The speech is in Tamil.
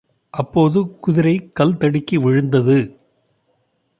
அப்போதுகுதிரை கல் தடுக்கி விழுந்தது.